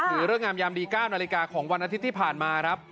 เลิกงามยามดี๙นาฬิกาของวันอาทิตย์ที่ผ่านมาครับ